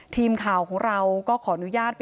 ทีมข่าวของเราก็ขออนุญาต